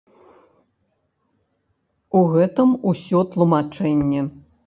У гэтым усё тлумачэнне.